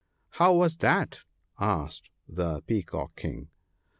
' How was that ?' asked the Peacock King.